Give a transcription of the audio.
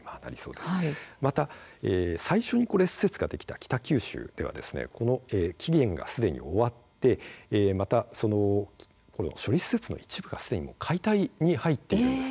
また最初に施設ができた北九州では期限がすでに終わってまた処理施設の一部がすでに解体に入っているんです。